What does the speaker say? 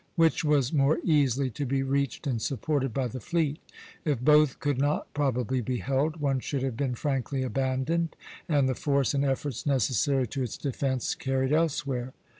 Which was more easily to be reached and supported by the fleet? If both could not probably be held, one should have been frankly abandoned, and the force and efforts necessary to its defence carried elsewhere.